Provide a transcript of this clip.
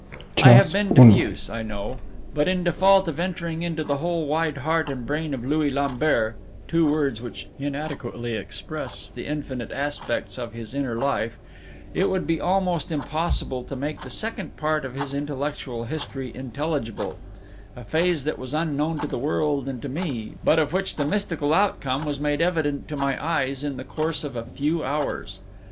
I have been diffuse, I know; but in default of entering into the whole wide heart and brain of Louis Lambert two words which inadequately express the infinite aspects of his inner life it would be almost impossible to make the second part of his intellectual history intelligible a phase that was unknown to the world and to me, but of which the mystical outcome was made evident to my eyes in the course of a few hours.